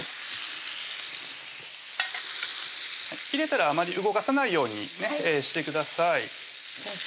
入れたらあまり動かさないようにしてください先生